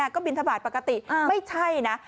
ก็บินทบาทปกติไม่ใช่นะ